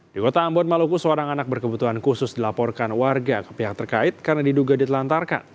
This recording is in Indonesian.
di kota ambon maluku seorang anak berkebutuhan khusus dilaporkan warga ke pihak terkait karena diduga ditelantarkan